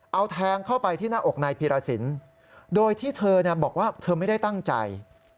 เอาแทงเข้าไปที่หน้าอกนายพีรสินโดยที่เธอบอกว่าเธอไม่ได้ตั้งใจ